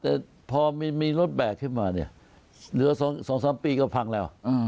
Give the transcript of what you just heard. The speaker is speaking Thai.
แต่พอมีรถแบกขึ้นมาเนี่ยเหลือ๒๓ปีก็พังแล้ว